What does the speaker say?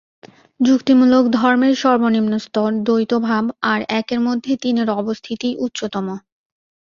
যুক্তিমূলক ধর্মের সর্বনিম্ন স্তর দ্বৈতভাব, আর একের মধ্যে তিনের অবস্থিতিই উচ্চতম।